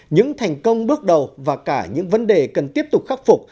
những thành công bước đầu và cả những vấn đề cần tiếp tục khắc phục